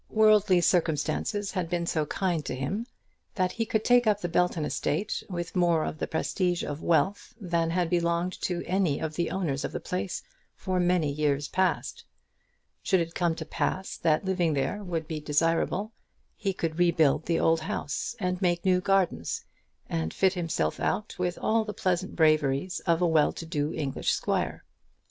Worldly circumstances had been so kind to him, that he could take up the Belton estate with more of the prestige of wealth than had belonged to any of the owners of the place for many years past. Should it come to pass that living there would be desirable, he could rebuild the old house, and make new gardens, and fit himself out with all the pleasant braveries of a well to do English squire.